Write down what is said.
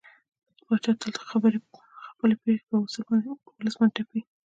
پاچا تل خپلې پرېکړې په ولس باندې تپي.